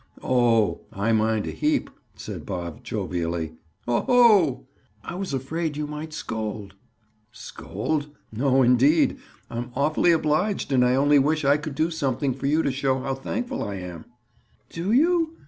"Oh, I mind a heap," said Bob jovially. "Ho! ho!" "I was afraid you might scold." "Scold? No, indeed. I'm awfully obliged and I only wish I could do something for you to show how thankful I am." "Do you?